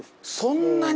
そんなに？